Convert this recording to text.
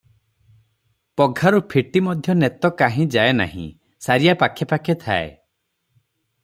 ପଘାରୁ ଫିଟି ମଧ୍ୟ ନେତ କାହିଁ ଯାଏ ନାହିଁ, ସାରିଆ ପାଖେ ପାଖେ ଥାଏ ।